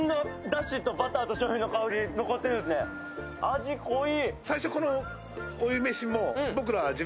味、濃い。